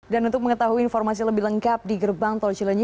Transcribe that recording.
dan untuk mengetahui informasi lebih lengkap di gerbang tol cilanyi